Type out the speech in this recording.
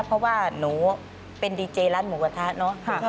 เพราะว่าหนูเป็นดีเจร้านหมูกระทะเนาะ